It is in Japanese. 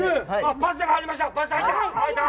パスタが入りました。